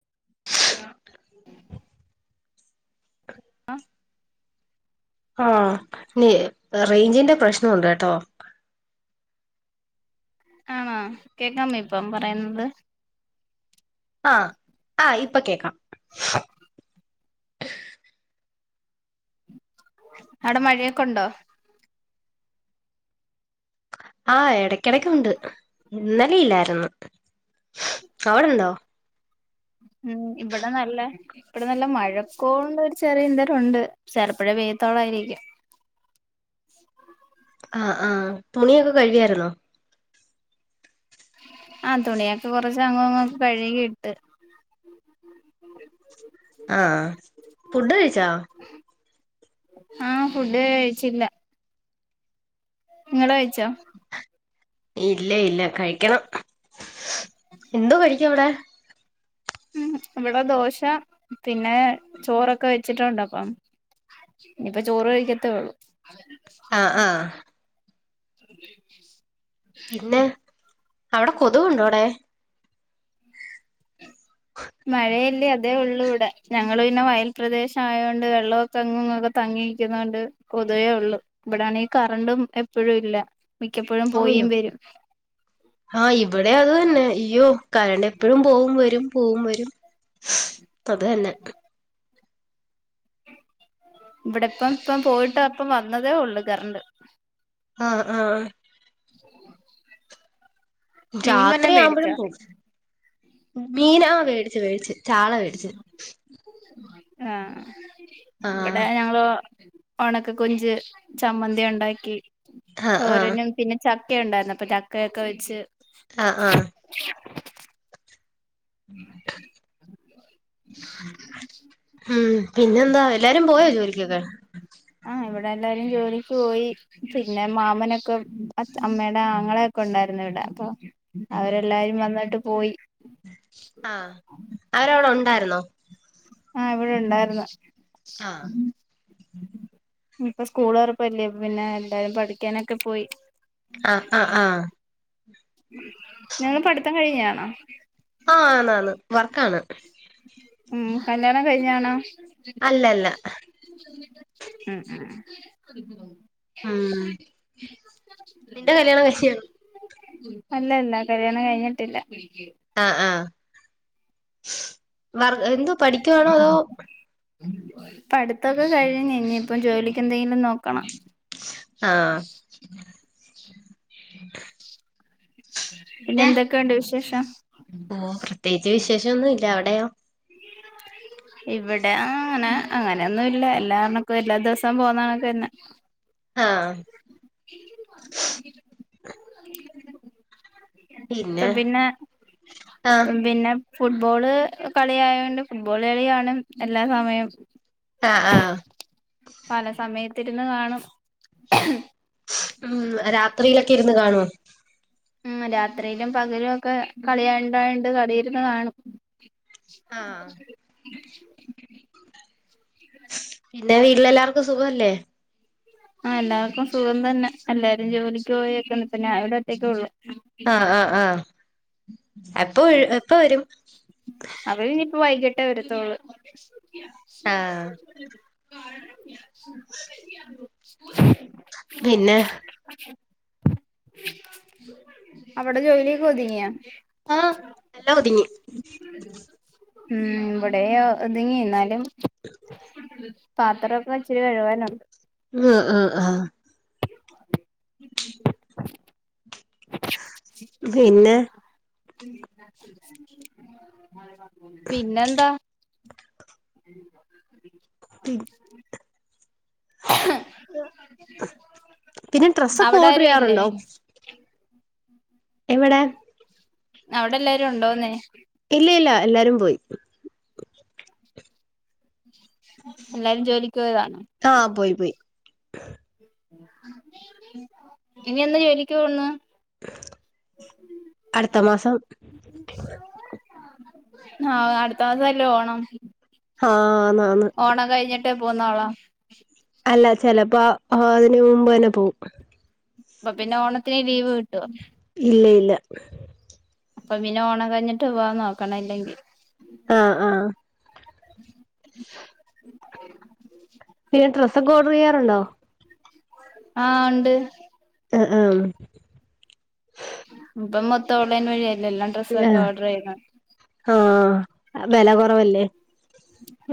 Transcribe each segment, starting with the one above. [inaudible] ആഹ് ആ ന റേഞ്ചിന്റെ പ്രശ്നംണ്ട് ട്ടോ. ആണോ കേക്കാമ ഇപ്പം പറയുന്നത് ആഹ് ആഹ് ഇപ്പൊ കേക്കാം അവിടെ മഴയൊക്കെ ഉണ്ടോ ആ ഇടക്കിടക്കുണ്ട് ഇന്നലെയില്ലായിരുന്നു അവിടെണ്ടോ [inaudible] ഉം ഇവിട നല്ല ഇവിടെ നല്ല മഴക്കോണ്ട് ഒരു ചെറിയ ഇതരം ഉണ്ട് ചെറുപ്പുഴ പെയ്ത്തോളംയിരിക്കും ആഹ് ആഹ് തുണിയൊക്കെ കഴിയായിരുന്നോ ആഹ് തുണിയൊക്കെ കുറച്ച അങ്ങോ അങ്ങക്കെ കഴുകി ഇട്ട് ആഹ് ഫുഡ് കഴിച്ചാ ആഹ് ഫുഡ് കഴിച്ചില്ല നിങ്ങള് കഴച്ചോ ഇല്ല ഇല്ല കഴിക്കണം എന്തോ കഴിക്കും അവിടെ ഉം ഇവിടെ ദോശ പിന്നെ ചോറൊക്കെ വെച്ചിട്ടുണ്ട് അപ്പം ഇനിപ്പ ചോറ് കഴിക്കത്തേള്ളൂ ആഹ് ആഹ് [inaudible] പിന്നെ അവിടെ കൊതുവുണ്ടോ അവിടെ മഴയല്ലെ ഇതേ ഉള്ളൂ ഇവിടെ ഞങ്ങൾ പിന്നെ വയൽ പ്രരദേശം ആയോണ്ട് വെള്ളമൊക്കെ അങ്ങ് തങ്ങിയിക്കുന്നൊണ്ട് കോതുവേ ഉള്ളു ഇവിടാണെങ്കി കറണ്ടും എപ്പോഴും ഇല്ല മിക്കപ്പോഴും പോയി ഓയ്യോ വരും ആഹ് ഇവിടെയാ അത് തന്നെ ഇയ്യോ കരണ്ട് എപ്പോഴും പോവും വരും പോവും വരും അത് തന്നെ ഇവിടെ ഇപ്പം ഇപ്പം പോയിട്ട് അപ്പം വന്നതേ ഉള്ളൂ കറണ്ട് ആഹ് ആഹ് ഉ [inaudible] രാത്രിയാവുമ്പോഴും പോകും മീന മേടിച്ച് വേടച്ച് ചാള വേടിച്ച് ആഹ് ആഹ് ഇവിടെ ഞങ്ങള് ഉണക്കെ കൊഞ്ച് ചമ്മന്തി ഉണ്ടാക്കി ആഹ് ആഹ് തോരനും പിന്നെ ചക്ക ഉണ്ടായിരുന്നു അപ്പൊ ചക്കയൊക്കെ വെച്ച് ആഹ് ആഹ് ഉ [inaudible] ഉം പിന്നെന്താ എല്ലാരും പോയോ ജോലിക്കൊക്കെ ആഹ് ഇവിടെല്ലാരും ജോലിക്ക് പോയി പിന്നെ മാമനൊക്കെ അമ്മയുടെ ആങ്ങളെക്കെ ഉണ്ടായിരുന്നു ഇവിടെ അപ്പൊ അവരെല്ലാരും വന്നിട്ട് പോയി ആഹ് അവരവിടെ ഉണ്ടായിരുന്നോ ആഹ് ഇവിടെ ഉണ്ടായിര്ന്നു ആഹ് ഇപ്പ സ്കൂൾ ഉറപ്പല്ലേ പിന്നെ എല്ലാരും പഠിക്കാനൊക്കെ പോയി ആഹ് ആഹ് ആഹ് നിങ്ങള് പഠിത്തം കഴിഞ്ഞാണോ ആഹ് ആന്നന്ന് വർക്കാണ് ഉം കല്ല്യാണം കഴിഞ്ഞാണോ അല്ല അല്ല ഉം ഉം ഉം നിന്റെ കല്യാണം കഴിച്ചയാണോ [inaudible] അല്ലല്ല കല്യാണം കഴിഞ്ഞിട്ടില്ല ആഹ് ആഹ് എന്തോ പഠിക്കുവാണോ അതോ പഠിത്തൊക്കെ കഴിഞ്ഞ് ഇനി ഇപ്പൊ ജോലിക്ക് എന്തെങ്കിലും നോക്കണം ആഹ് [inaudible] പിന്നെ എന്തൊക്കെയുണ്ട് വിശേഷം ഓഹ് പ്രത്യേകിച്ച് വിശേഷ ഒന്നുല്ല അവിടെയോ ഇവിടെ അങ്ങനെ അങ്ങനെയൊന്നും ഇല്ല എല്ലാർണക്കും എല്ലാ ദിവസം പോന്നമാറിക്കെന്നെ ആഹ് [inaudible] പിന്നെ ആഹ് പിന്നെ ഫുട്ബോള് കളിയായൊണ്ട് ഫുട്ബോള് കളിയാണ് എല്ലാ സമയം ആഹ് ആഹ് പല സമയത്തിരുന്ന് കാണും ഉം രാത്രിയിലൊക്കെ ഇരുന്ന് കാണുവോ ഉം രാത്രിയിലും പകലും ഒക്കെ കളിയാണ്ടായിണ്ട് കളിയിരുന്ന് കാണും ആഹ് പിന്നെ വീട്ടിലെല്ലാർക്കും സുഖല്ലേ ആഹ് എല്ലാവർക്കും സുഖം തന്നെ എല്ലാരും ജോലിക്ക് പോയിയൊക്കെ ഇപ്പം ഞാനിവിടെ ഒറ്റക്കെള്ളൂ ആഹ് ആഹ് ആഹ് എപ്പ എപ്പ വരും അവര് ഇനിപ്പോ വൈകിട്ടേ വരത്തോളൂ ആഹ് പിന്നെ അവിടെ ജോലിയൊക്ക ഒതുങ്ങിയാ ആഹ് എല്ലാം ഒതുങ്ങി ഉം ഇവിടെ ഒതുങ്ങി ന്നാലും പാത്രൊക്കെ ഇച്ചിരി കഴുകാനുണ്ട് ഉം ആഹ് ആഹ് പിന്നെ പിന്നെന്താ [inaudible] പിന്നെ ഡ്രസ്സൊക്കെ ഓർഡർ അവടാരും ഇല്ലേ ചെയ്യാറുണ്ടോ എവടെ അവ്ടെല്ലാരും ഉണ്ടോന്ന് ഇല്ലി ല്ലല്ലാ എല്ലാരും പോയി എല്ലാരും ജോലിക്കോയതാണോ ആ പോയി പോയി ഇനി എന്ന് ജോലിക്ക് പോവ്ന്ന്? അട്ത്ത മാസം ആ അട്ത്ത മാസല്ലേ ഓണം ആഹ് ന്നാന്ന് ഓണം കഴിഞ്ഞിട്ടേ പോന്നൊള്ളോ? അല്ല ചെലപ്പോ അതിന് മുമ്പന്നെ പോവും പപ്പൊ പിന്നെ ഓണത്തിന് ലീവ് കിട്ടോ? ഇല്ലി ല്ലില്ല പ്പൊ പിന്നെ ഓണം കഴിഞ്ഞിട്ട് വാ നോക്കണല്ലെങ്കിൽ ആ ആഹ് [inaudible] പിന്നെ സ്രസ്സൊക്കെ ഓഡറയ്യാർണ്ടോ? ആഹ് ഉണ്ട് അ അ ആമ് ഇപ്പം മൊത്തം ഓൺലൈൻ വഴിയെല്ലെ എല്ലാം ല്ലേ ഡ്രസ്സൊക്കെ ഓർഡർ ചെയ്യുന്നെ ആ വെല കൊറവല്ലേ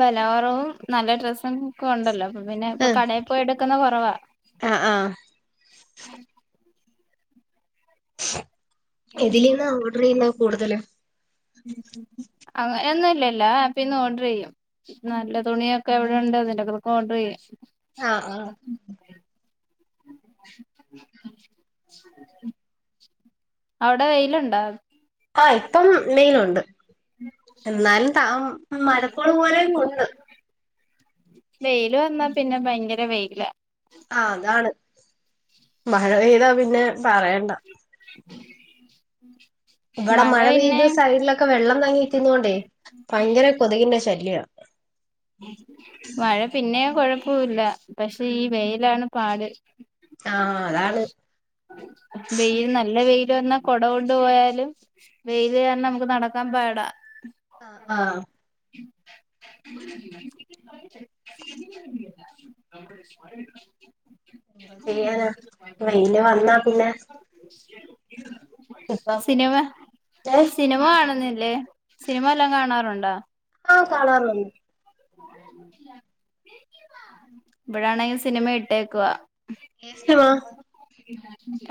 വെല കുറവും നല്ലെ ഡ്രസ്സും ഒക്കെ ഉണ്ടല്ലോ അപ്പൊ പിന്നെ ഇപ്പൊ കടയിൽ പോയി എടുക്കുന്നത് കൊറവാ അ ആഹ് എതിലിന്നാ ഓഡറെയ്യുന്നത് കൂടുതലും അങ്ങനൊന്നൂല്ലാ എല്ലാ ആപ്പിന്നും ഓഡ്റയ്യും നല്ലെ തുണിയൊക്കെ എവിടെണ്ട് അതിൻ്റൊക്കെ ഓർഡർയ്യ് അ ആഹ് അവ്ടെ വെയില്ണ്ടോ? ആ ഇപ്പം വെയില്ണ്ട് എന്നാലും ത മഴക്കോള് കോള്ങ്ങ് ഉണ്ട് വെയില് വന്നാ പിന്നെ ഭയങ്കര വെയിലാ ആ അതാണ് മഴ പെയ്താ പിന്നെ പറയണ്ട [inaudible] ഇബടെ മഴ പെയ്ത് സൈഡിലൊക്കെ വെള്ളം തങ്ങിരിക്കുന്നോണ്ടേ ഭയങ്കര കൊതുകിന്റെ ശല്ല്യാ മഴ പിന്നേം കൊഴൊപ്പൂല്ല പക്ഷെ ഈ വെയിലാണ് പാട് ആ അതാണ് വെയില് നല്ല വെയില് വന്നാ കൊട കൊണ്ട് പോയാലും വെയില് കാര്ണം നമ്ക്ക് നടക്കാൻ പാടാ അഹ് ആഹ് ന്ത് ചെയ്യാനാ വെയില് വന്നാ പിന്നെ ഇപ്പം സിനിമാ ഏഹ് സിന്‌മ കാണുന്നില്ലേ സിന്‌മ വല്ലോം കാണാറുണ്ടോ ആഹ് കാണാറുൺ ഇവ്ടാണെങ്കി സിന്‌മ ഇട്ടേക്കുവാ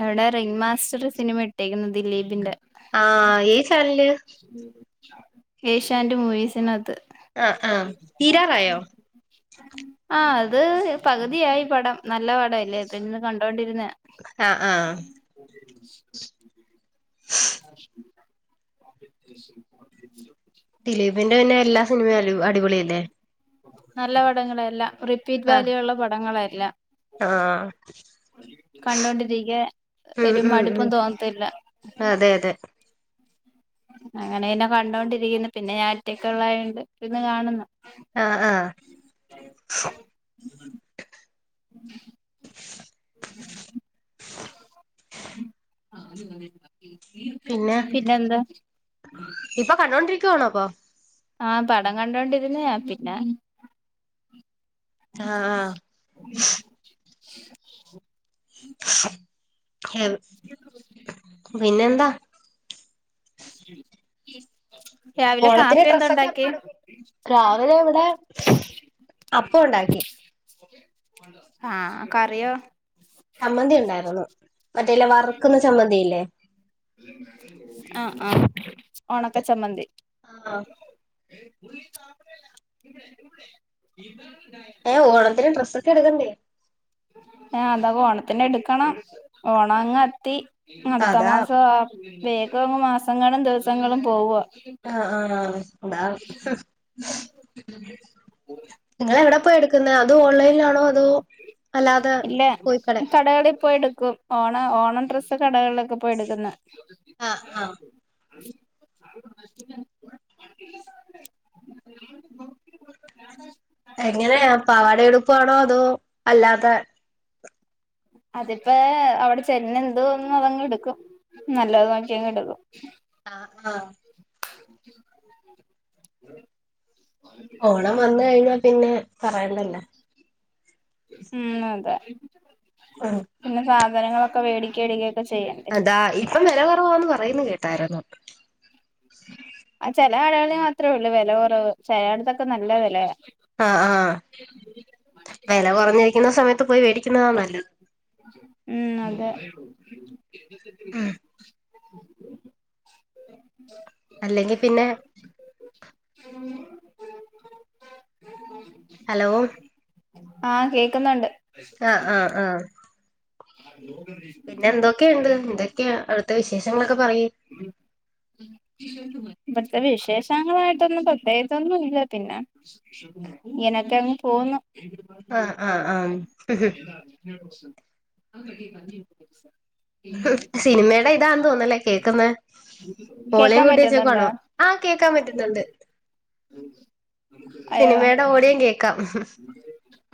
എവ്ടെ റിംഗ് മാസ്റ്റർ സിനിമ ഇട്ടേയ്ക്കുന്നു ദിലീപിന്റെ ആഹ് ഈ ചാനല് ഏഷ്യാനെറ്റ് മൂവീസ്നക്‌ത്ത് ആഹ് ആഹ് തീരാറായോ ആഹ് അത് പക്‌തിയായി പടം നല്ല പടം എല്ലേ അപ്പ ഇര്ന്ന് കണ്ടോണ്ടിര്ന്നെയാ ആഹ് ആഹ് ദിലീപിന്റെ പിന്നെ എല്ലാ സിൻമെയും അലുവാ അടിപൊളി അല്ലേ നല്ല പടങ്ങളാ എല്ലാം റിപ്പീറ്റ് ആഹ് വാല്യൂ ഒള്ള പടങ്ങളാ എല്ലാം ആഹ് കണ്ടോണ്ടിരിയ്ക്കാൻ ഉം ഒര് ഉം മട്പ്പും ഉം തോന്നത്തില്ലാ അതെ അതെ അങ്ങെനെ പിന്നെ കണ്ടാേണ്ടിരിയ്ക്കുന്നു പിന്നെ ഞാൻ ഒറ്റക്ക് ഉള്ളായോണ്ട് ഇര്ന്ന് കാണ്ന്നു ആഹ് ആഹ് പിന്നെ പിന്നെന്താ ഇപ്പൊ കണ്ടോണ്ടിരിക്കുവാണോ അപ്പൊ ആഹ് പടം കണ്ടോണ്ടിര്ന്നെയാ പിന്നെ ആഹ് ആഹ് പിന്നെന്താ രാവിലെ ഓണത്തിന് കാപ്പി എന്താ ഡ്രസ്സൊക്കെ എപ്പ ഉണ്ടാക്കിയെ എട്ക്കും രാവിലെ ഇവിടെ അപ്പം ഒണ്ടാക്കി ആഹ് കറിയോ ചമ്മന്തി ഉണ്ടായിര്ന്നു മറ്റേല്ലെ വറ്ക്ക്ന്ന ചമ്മന്തിയില്ലേ ആഹ് ആഹ് ഒണക്കച്ചമ്മന്തി ആ ഓഹ് ഓണത്തിന് ഡ്രസ്സൊക്കെ എട്ക്കെണ്ടെ ഏഹ് അതൊക്കെ ഓണത്തിന് എട്ക്കെണം ഓണ അങ്ങ് എത്തി അട്ത്ത അതാ മാസവാ വേഗം മാസങ്ങളും ദിവ്സങ്ങളും പോവാ ആഹ് ആഹ് അതാ നിങ്ങളെവെടെ പോയാ എട്ക്ക്ന്നെ അതും ഓൺലെയ്ൻലാണോ അതോ അല്ലാതെ പോയ് കടേ കടകളി പോയ്ട്ക്കും ഓണ ഓണം ഡ്രെസ്സ് കടകൾലൊക്കെ പോയ് എട്ക്ക്ന്നെ അഹ് ആഹ് എങ്ങനെയാ പാവാടേം ഉടുപ്പു ആണോ അതോ അല്ലാത്തെ അതിപ്പാ അവ്ടെ ചെന്നെന്ത്‌ തോന്ന്ന്നു അതങ്ങെട്ക്കും നല്ലത് നോക്കിയങ്ങെട്ക്കും ആഹ് ആഹ് ഓണം വന്ന് കഴിഞ്ഞാ പിന്നെ പറയണ്ടല്ലാ ഉം അതെ പിന്നെ സാധനങ്ങളൊക്കെ വേടിയ്ക്കാരിക്കും അതാ ഇപ്പം വെല കൊറവാന്ന് പറയ്ന്നെ കേട്ടായ്ര്ന്നു ആഹ് ചെലെ കടകൾല് മാത്രേ ഒള്ളു വെല കൊറവ് ചെലാേട്ത്തൊക്കെ നല്ല വെലയാ ആഹ് ആഹ്. വെല കൊറഞ്ഞേയ്ക്ക്‌ന്ന സമയത്ത് പോയി വേടിക്കുന്നതാ നല്ലത്.. ഉം അതെ അല്ലെങ്കി പിന്നെ. ഹലോ ആ കേക്കുന്നുണ്ട് ആഹ് ആഹ് ആഹ് [unintelligible] യോഗ [unintelligible] പിന്നെ എന്തൊക്കെയ്ണ്ട് എന്തെക്കെയാ അവിട്ത്തെ വിശേഷങ്ങളൊക്കെപറയ്. ഉം ഉം ഇബട്ത്തെ വിശേഷങ്ങളായിട്ടൊന്നും പ്രത്യേകിച്ചൊന്നും ഇല്ല. പിന്നെ ഇങ്ങനെയൊക്കെ അങ്ങ് പോവ്ന്ന് ആഹ് ആഹ് ആഹ് [unintelligible] ആ വീട്ടിൽ പന്നി ഇണ്ടോ ചോയ്ക്ക ഇല്ല്യല്ല്യാ [unintelligible] കേക്ക്‌ന്ന് വോളിയം കൂട്ടി പറ്റുന്നുണ്ടോ വെച്ചേക്കുവാണോ. ആഹ് കേക്കാൻ പറ്റ്ന്ന്ണ്ട്. അയ്യോ സിനിമേടെ ഓടിയം കേക്കാം.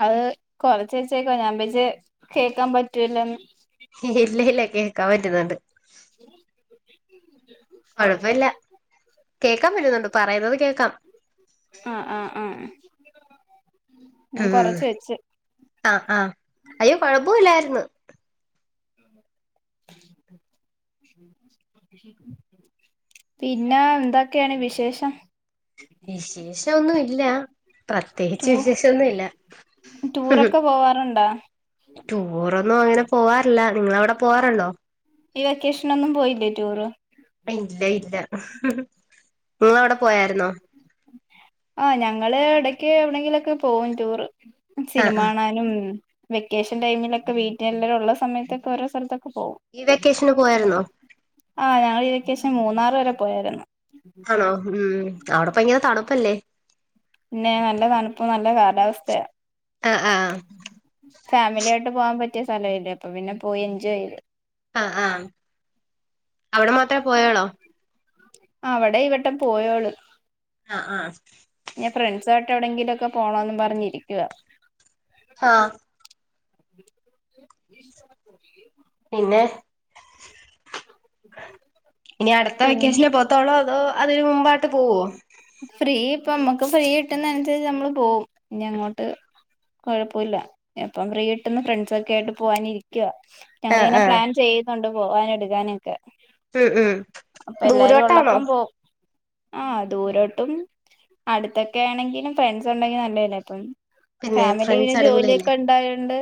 അത് കൊറച്ച് വെച്ചേക്ക്‌വാ. ഞാൻ വിചാരിച്ച് കേക്കാൻ പറ്റുലെന്ന് ഇല്ല ഇല്ല കേക്കാം പറ്റുന്നുണ്ട്. കൊഴപ്പ ഇല്ല കേക്കാം പറ്റുന്നുണ്ട് പറയുന്നത് കേക്കാം. ആഹ് ആഹ് ആഹ് ഞാൻ ഉം ഉം ഉം കൊറച്ച് വെച്ച് അഹ് അഹ് അയ്യോ കൊഴപ്പ ഇല്ലായിര്ന്ന് പിന്നേ എന്തൊക്കെയാണ് വിശേഷം വിശേഷം ഒന്നും ഇല്ല. പ്രത്യേകിച്ച് വിശേഷൊന്നു ഇല്ല ന്നട്ട് റ്റൂറൊക്കെ പോവാറ്ണ്ടാ റ്റൂറൊന്നും അങ്ങനെ പോവാറില്ല. നിങ്ങളെ അവിടെ പോവാറ്ണ്ടോ ഈ വെക്കേഷനൊന്നും പോയില്ലേ റ്റൂറ് അയ് ഇല്ലേ ഇല്ല നിങ്ങളവിടെ പോയായിരുന്നോ ആഹ് ഞങ്ങള് എടക്ക് എവിടെങ്കിലൊക്കെ പോവും റ്റൂറ് ആ സിനിമ ആ കാണാനും വെക്കേഷൻ ടൈമിലൊക്കെ വീട്ടിലെല്ലാരും ഒള്ള സമയത്തൊക്കെ ഓരോ സ്ഥലത്തൊക്കെ പോവും. ഈ വെക്കേഷന് പോയാര്ന്നോ. ആഹ് ഞങ്ങള് ഈ വെക്കേഷൻ മൂന്നാറ് വരെ പോയാര്ന്നു ആണോ ഉം അവിടെ പ്പൊ ഭയങ്കരെ തണുപ്പല്ലേ.. പിന്നെ നല്ല തണുപ്പും നല്ല കാലാവസ്ഥയാ അഹ് ആഹ് ഫാമിലിയായിട്ട് പോവാൻ പറ്റിയ സ്ഥലം അല്ലേ. അപ്പൊ പിന്നെ പോയി എൻജോയ് ചെയ്ത് അഹ് ആഹ് അവിടെ മാത്രേ പോയൊളോ അവടെ ഈ വെട്ടം പോയോളു. അഹ് ആഹ് ഇഞ് ഫ്രെണ്ട്സ് ആയിട്ട് എവിടെയെങ്കിലൊക്കെ പോണോന്നും പറഞ്ഞിരിക്യുവ. ഹാ [unintelligible] പിന്നെ ഇനി അത്ത വെക്കേഷൻലേ പോവത്തൊള്ളോ അതോ പിന്നെ അതിന് മുമ്പായിട്ട് പോവോ. ഫ്രീ ഇപ്പം അമ്മക്ക് ഫ്രീ കിട്ട്ന്നെ അൻസരിച്ച് നമ്മള് പോവും ഇനി അങ്ങോട്ട്. കൊഴപ്പുല്ല എപ്പം ഫ്രീ കിട്ട്ന്ന് ഫ്രണ്ട്സൊക്കേയിട്ട് പോവാനിരി ക്ക ആ ഞങ്ങളിങ്ങനെ ആ പ്ലാൻ ചെയ്യുന്നുണ്ട് പോവാനും എടുകാനൊക്കെ ഉം ഉം അപ്പൊ എല്ലാരും ദൂരോട്ടാണോ ഉള്ളപ്പം പോവും ആഹ് ദൂരോട്ടും അടുത്തൊക്കെ ആണെങ്കിലും ഫ്രണ്ട്സ് ഉണ്ടെങ്കി നല്ലേല്ലെ അപ്പം പിന്നെ ഫാമിലി പിന്നെ ഫ്രണ്ട്സ് അടിപൊളിയല്ലേ ജോലിയൊക്കെ ഉണ്ടായോണ്ട്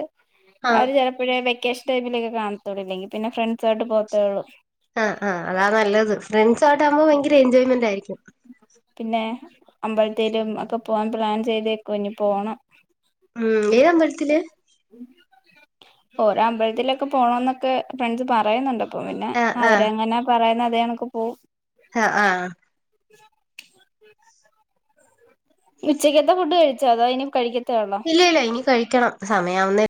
ആ അവര് ചിലപ്പോഴേ വെക്കേഷൻ ടൈമിലൊക്കെ കാണത്തൊളൂ ഇല്ലെങ്ക പിന്നെ ഫ്രണ്ട്സ ആയ്ട്ട് പോവത്തേളൂ ആഹ് ആഹ് അതാ നല്ലത് ഫ്രണ്ട്സോയ്ട്ട് ആകുമ്പോൾ ഭയങ്കര എൻജോയ്മെന്റ് ആയിരിക്കും പിന്നെ അമ്പലത്തേലും ഒക്കെ പോവാൻ പ്ലാൻ ചെയ്തേക്കുവ ഇഞ് പോണം ഉം ഏ അമ്പലത്തില് ഓരോ അമ്പലത്തിലൊക്കെ പോണം എന്നൊക്കെ ഫ്രണ്ട്സ് പറയുന്നുണ്ട് അപ്പം പിന്നെ ആ ആ അവരെങ്ങനെ പറയുന്നെ അതേകണക്ക് പോവും ആഹ് ആഹ് [inaudible] ഉച്ചക്കത്തെ ഫുഡ് കഴിച്ചോ അതോ ഇനി കഴിക്കത്തേ ഒള്ളോ ഇല്ല ഇല്ല ഇനി കഴിക്കണം സമയാവുന്നേ